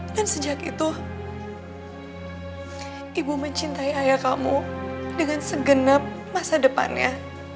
dan sejak itu ibu mencintai ayah kamu dengan segenap masa depannya